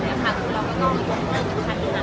ช่องความหล่อของพี่ต้องการอันนี้นะครับ